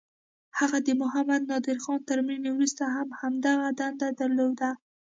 هغه د محمد نادرخان تر مړینې وروسته هم همدغه دنده درلوده.